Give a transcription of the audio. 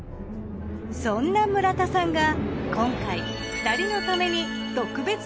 そんな村田さんが今回２人のためにわい。